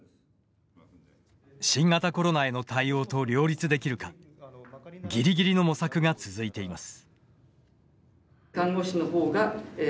新型コロナへの対応と両立できるかギリギリの模索が続いています。